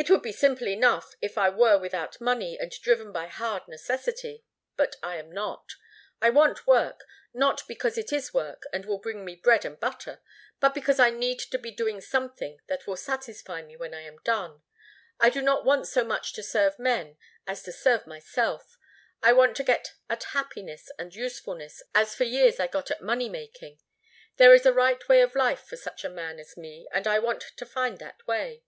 "It would be simple enough if I were without money and driven by hard necessity, but I am not. I want work, not because it is work and will bring me bread and butter, but because I need to be doing something that will satisfy me when I am done. I do not want so much to serve men as to serve myself. I want to get at happiness and usefulness as for years I got at money making. There is a right way of life for such a man as me, and I want to find that way."